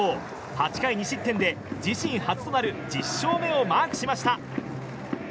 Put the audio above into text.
８回２失点で自身初となる１０勝目をマークしました。